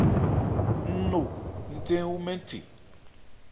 Ń no ńthé ń wu mɛ the.